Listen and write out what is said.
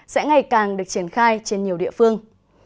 sẽ ngày càng được triển khai trên nhiều địa phương